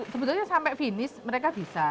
sebetulnya sampai finish mereka bisa